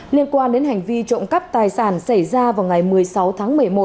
liên quan đến hành vi trộm cắp tài sản xảy ra vào ngày một mươi sáu tháng một mươi một